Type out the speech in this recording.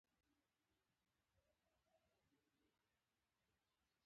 ما پوښتنه وکړه: کوم هیواد دي له خیره په نظر کي دی؟